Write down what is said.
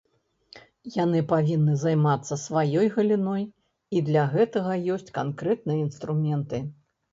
Яны павінны займацца сваёй галіной, і для гэтага ёсць канкрэтныя інструменты.